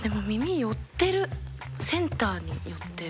センターに寄ってる。